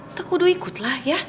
ntar kudu ikutlah ya